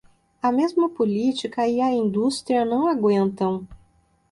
A mesma política e a indústria não aguentam.